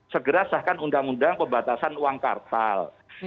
segera sahkan undang undang pembatasan uang kartal